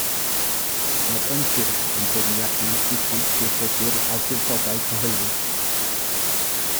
Mae'r ymgyrch yn beirniadu diffyg gweithredu'r awdurdodau cyhoeddus.